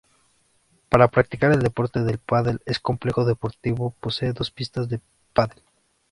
Para practicar el deporte del pádel, el complejo deportivo posee dos pistas de pádel.